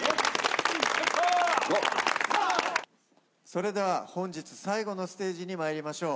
それでは本日最後のステージに参りましょう。